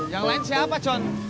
yang lain siapa john